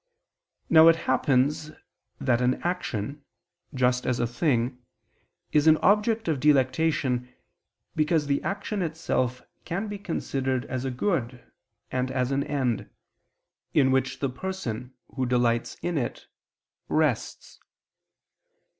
Now it happens that an action, just as a thing, is an object of delectation, because the action itself can be considered as a good and an end, in which the person who delights in it, rests.